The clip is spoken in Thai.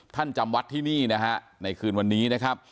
ท่านจำวัดที่นี่ในคืนวันนี้